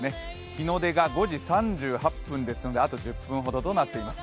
日の出が５時３８分ですのであと１０分ほどとなっています。